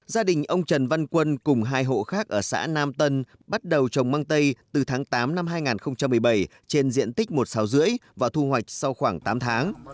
gia đình ông trần văn quân cùng hai hộ khác ở xã nam tân bắt đầu trồng măng tây từ tháng tám năm hai nghìn một mươi bảy trên diện tích một sáu rưỡi và thu hoạch sau khoảng tám tháng